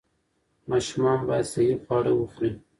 ماشومان باید صحي خواړه وخوري.